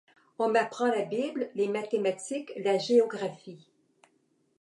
On m’apprend la Bible, les mathématiques, la géographie…